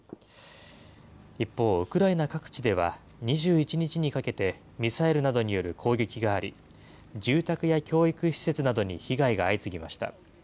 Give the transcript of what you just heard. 一方、ウクライナ各地では、２１日にかけてミサイルなどによる攻撃があり、住宅や教育施設などに被害が相次ぎました。